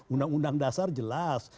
undang undang dasar jelas